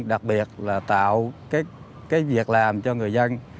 đặc biệt là tạo cái việc làm cho người dân